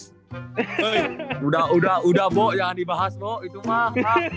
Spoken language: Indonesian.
hei udah udah udah bo jangan dibahas bo itu mah